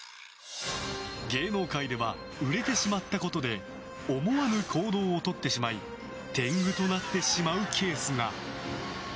芸能界では売れてしまったことで思わぬ行動をとってしまい天狗となってしまうケースが。